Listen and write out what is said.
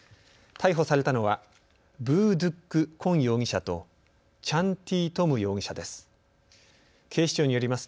逮捕されたのはヴー・ドゥック・コン容疑者とチャン・ティ・トム容疑者です。